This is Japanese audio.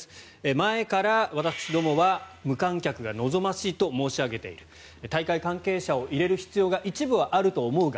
前から私どもは無観客が望ましいと申し上げている大会関係者を入れる必要が一部はあると思うが